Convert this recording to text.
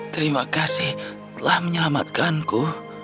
terima kasih telah menyelamatkanku